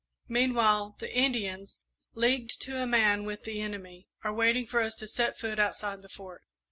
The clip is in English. Meanwhile, the Indians, leagued to a man with the enemy, are waiting for us to set foot outside the Fort.